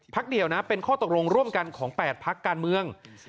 เดียวนะเป็นข้อตกลงร่วมกันของ๘พักการเมือง